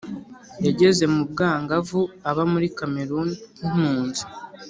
yageze mu bwangavu aba muri kameruni nk’impunzi.